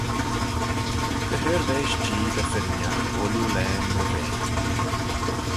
Dy 'hirveish Jee dy firrinagh ooilley laghyn my vea.